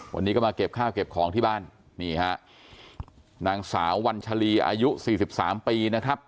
วันนี้ก็มาเก็บข้าวเก็บของที่บ้านนี่ฮะนางสาววัญชาลีอายุสี่สิบสามปีนะครับ